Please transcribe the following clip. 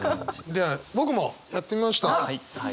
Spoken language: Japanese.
では僕もやってみました。